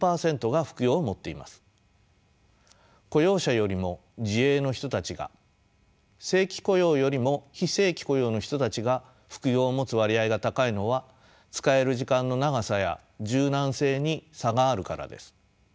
雇用者よりも自営の人たちが正規雇用よりも非正規雇用の人たちが副業を持つ割合が高いのは使える時間の長さや柔軟性に差があるからです。